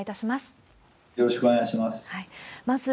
よろしくお願いします。